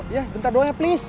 ya bentar doang ya please